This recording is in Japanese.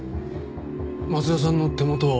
松田さんの手元。